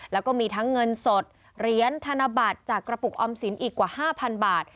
แล้วก็มีทั้งเงินสดเหรียญธนบัตรจากกระปุกออมสินอีกกว่า๕๐๐บาท